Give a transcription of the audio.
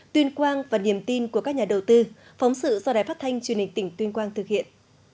tuyên quang và niềm tin của các nhà đầu tư phóng sự do đài phát thanh truyền hình tỉnh tuyên quang thực hiện